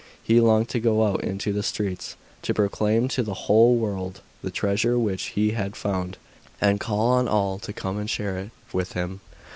He longed to go out into the streets, to proclaim to the whole world the treasure which he had found, and call on all to come and share it with him.